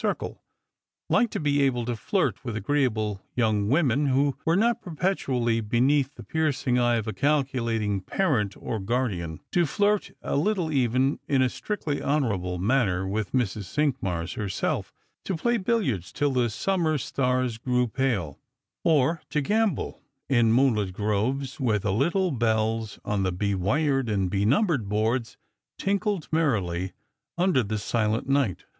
circle ; liked to be able to flirt with agreeable young womeu who were not perpetually beneath the piercing eye of a calculating parent or guardian, to flirt a little even, in a strictly honour able manner, with Mrs. Cinqmars herself; to play billiards till the summer stars grew pale, or to gamble in moonlit groves where the little bells on the be wired and be numbered boards tinkled merrily under the silent night.